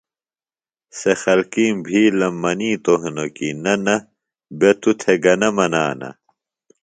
سےۡ خلکِیم بِھیلم منِیتوۡ ہِنوۡ کیۡ نہ نہ، بےۡ توۡ تھےۡ گنہ منانہ